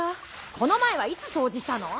この前はいつ掃除したの？